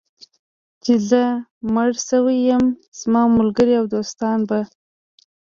چې زه مړ شوی یم، زما ملګري او دوستان به.